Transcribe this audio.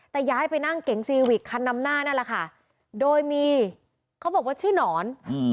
แต่ย้ายไปนั่งเก๋งซีวิกคันนำหน้านั่นแหละค่ะโดยมีเขาบอกว่าชื่อหนอนอืม